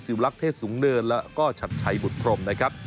วลักษ์เทศสูงเนินแล้วก็ชัดชัยบุตรพรมนะครับ